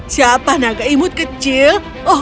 siapa naga imut kecil